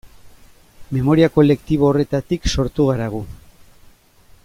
Memoria kolektibo horretatik sortu gara gu.